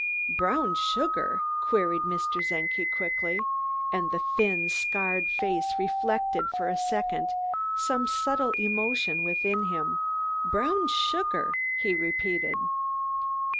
"Brown sugar?" queried Mr. Czenki quickly, and the thin, scarred face reflected for a second some subtle emotion within him. "Brown sugar!" he repeated.